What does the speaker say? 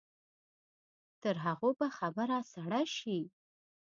تر هغو به خبره سړه شي.